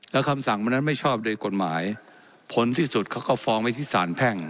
แล้วคำสั่งวันนั้นไม่ชอบโดยกฎหมายผลที่สุดเขาก็ฟ้องไว้ที่สารแพ่ง